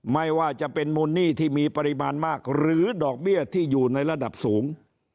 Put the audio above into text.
ไม่ว่าจะเป็นมูลหนี้ที่มีปริมาณมากหรือดอกเบี้ยที่อยู่ในระดับสูง